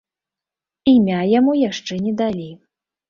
Імя яму яшчэ не далі.